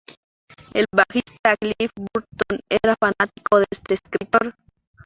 El bajista Cliff Burton era fanático de este escritor.